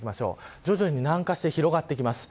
徐々に南下して広がっていきます。